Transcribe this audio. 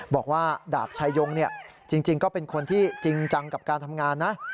บอกว่าดาบชายงจริงก็เป็นคนที่จริงจังกับการทำงานนะ